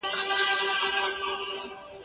شاګرد باید په خپله څېړنه کي صادق وي.